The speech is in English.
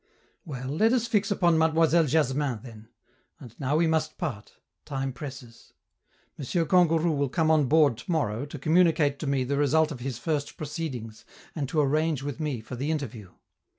Well, let us fix upon Mademoiselle Jasmin, then and now we must part; time presses. M. Kangourou will come on board to morrow to communicate to me the result of his first proceedings and to arrange with me for the interview.